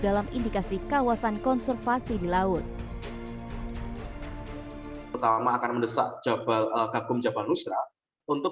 dalam indikasi kawasan konservasi di laut pertama akan mendesak jabal gakum jabal rusra untuk